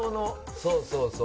そうそうそう。